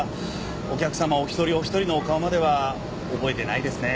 お客様お一人お一人のお顔までは覚えてないですね。